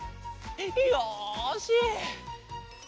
よし！